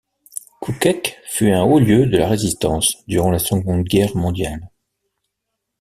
Couquèques fut un haut lieu de la résistance durant la Seconde Guerre mondiale.